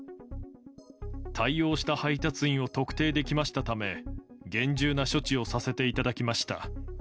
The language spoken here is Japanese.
対応した配達員を特定できましたため、厳重な処置をさせていただきました。